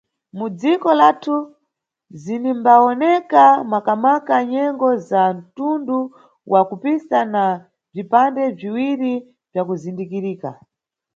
Mu dziko lathu zinimbawoneka maka-maka nyengo za mtundu wa kupsa, na bzipande bziwiri bzakuzindikirika.